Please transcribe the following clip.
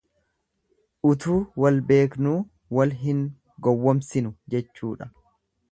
Utuu wal beeknuu wal hin gowwomsinu jechuudha.